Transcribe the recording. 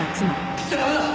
切っちゃ駄目だ！